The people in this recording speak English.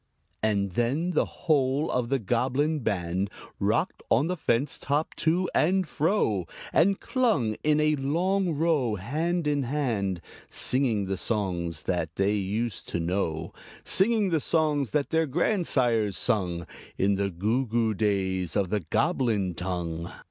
And then the whole of the Goblin band Rocked on the fence top to and fro, And clung, in a long row, hand in hand, Singing the songs that they used to know Singing the songs that their grandsires sung In the goo goo days of the Goblin tongue.